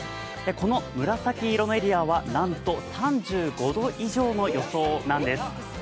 この紫色のエリアはなんと３５度以上の予想なんです。